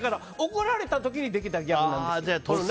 怒られた時にできたギャグなんですよ。